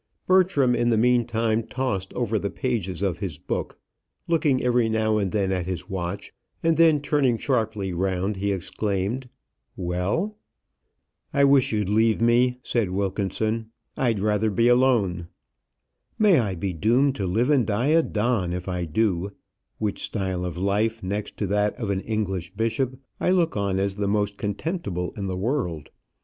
Bertram in the meantime tossed over the pages of his book, looking every now and then at his watch; and then turning sharply round, he exclaimed, "Well!" "I wish you'd leave me," said Wilkinson; "I'd rather be alone." "May I be doomed to live and die a don if I do; which style of life, next to that of an English bishop, I look on as the most contemptible in the world.